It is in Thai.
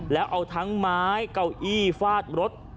แล้วเอาทั้งไม้เก้าอี้ฟาดรถ